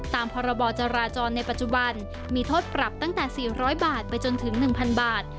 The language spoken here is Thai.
ตามพรบจราจรในปัจจุบันมีโทษปรับตั้งแต่๔๐๐บาทไปจนถึง๑๐๐บาท